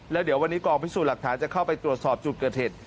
แล้วเดี๋ยววันนี้กองพิสูจน์หลักฐานจะเข้าไปตรวจสอบจุดเกิดเหตุ